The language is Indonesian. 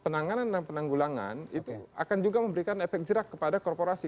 penanganan dan penanggulangan itu akan juga memberikan efek jerak kepada korporasi